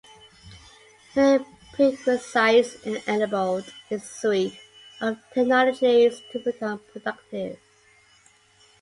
Many prerequisites enabled this suite of technologies to become productive.